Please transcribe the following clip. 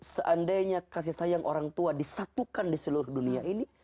seandainya kasih sayang orang tua disatukan di seluruh dunia ini